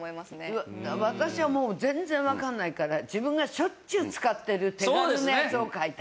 私はもう全然わかんないから自分がしょっちゅう使ってる手軽なやつを書いた。